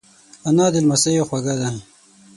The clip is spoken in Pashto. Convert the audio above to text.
انا د لمسیو خواږه ده